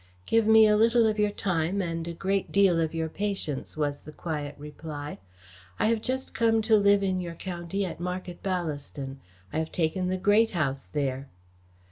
"Give me a little of your time, and a great deal of your patience," was the quiet reply. "I have just come to live in your county at Market Ballaston. I have taken the Great House there."